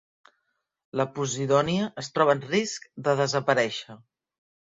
La posidònia es troba en risc de desaparèixer.